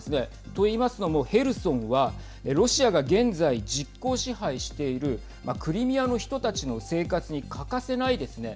といいますのも、ヘルソンはロシアが現在、実効支配しているクリミアの人たちの生活に欠かせないですね